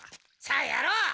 さあやろう！